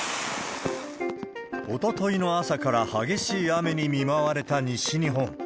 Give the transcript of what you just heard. おとといの朝から激しい雨に見舞われた西日本。